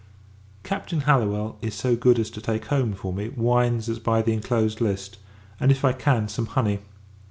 Captain Hallowell is so good as to take home, for me, wine as by the inclosed list; and, if I can, some honey.